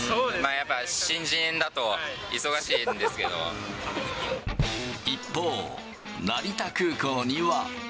やっぱ新人だと忙しいんです一方、成田空港には。